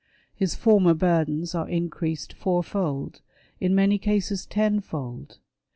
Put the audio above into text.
His former burdens are increased four fold — in many cases, ten fold.